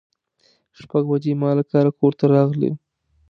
شپږ بجې ما له کاره کور ته راغلم.